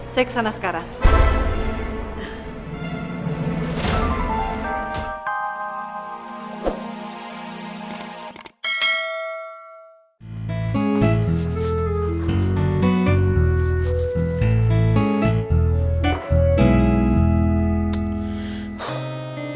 saya kesana sekarang